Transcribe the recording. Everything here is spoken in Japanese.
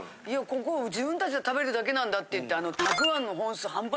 「いやここ自分たちで食べるだけなんだ」って言ってあの。